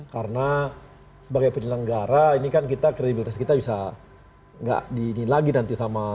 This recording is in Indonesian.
karena sebagai penyelenggara ini kan kita kredibilitas kita bisa nggak di ini lagi nanti sama